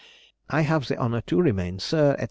I have the honour to remain, Sir, &c.